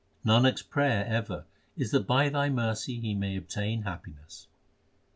Nanak s prayer ever is that by Thy mercy he may obtain happiness.